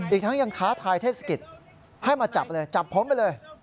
อีกทั้งยังท้าทายเทศกิจให้มาจับเลยจับผมไปเลย